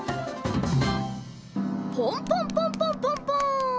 ポンポンポンポンポンポン！